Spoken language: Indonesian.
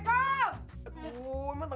dia mau dapet kontrakan